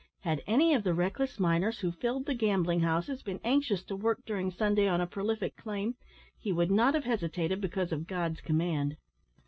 Had any of the reckless miners who filled the gambling houses been anxious to work during Sunday on a prolific claim, he would not have hesitated because of God's command.